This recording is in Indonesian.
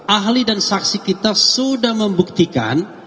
ahli dan saksi kita sudah membuktikan